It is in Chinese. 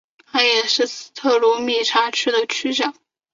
他也是斯特鲁米察区的区长。